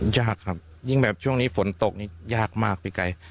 ยากครับยิ่งแบบช่วงนี้ฝนตกนี่ยากมากพี่ไก่